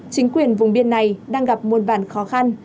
chính quyền vùng biên này đang gặp muôn bản khó khăn